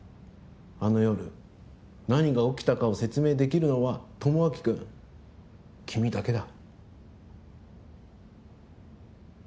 あの夜何が起きたかを説明できるのは智明くん君だけだ。